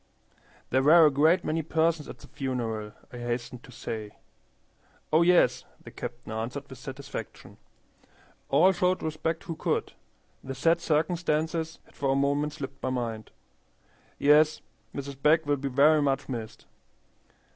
"There were a great many persons at the funeral," I hastened to say. "Oh yes," the captain answered, with satisfaction. "All showed respect who could. The sad circumstances had for a moment slipped my mind. Yes, Mrs. Begg will be very much missed.